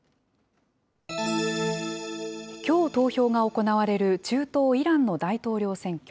きょう投票が行われる中東イランの大統領選挙。